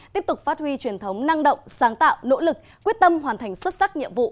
tiếp tục phát huy truyền thống năng động sáng tạo nỗ lực quyết tâm hoàn thành xuất sắc nhiệm vụ